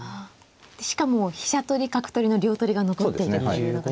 しかも飛車取り角取りの両取りが残っているというのが主張なんですね。